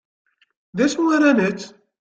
D acu ara nečč?